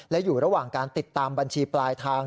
และอยู่ระหว่างการติดตามบัญชีปลายทาง